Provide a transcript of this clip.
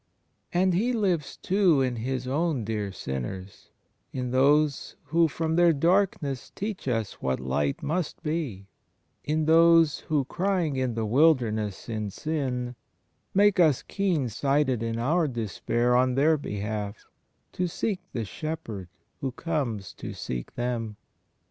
And he lives, too, in His own dear sinners; in those who from their darkness teach us what light must be; in those who, crying in the wilderness in sin, make us keen sighted in our despair on their behalf to seek the Shepherd who comes to seek them.